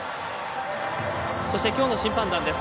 そして今日の審判団です。